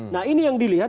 nah ini yang dilihat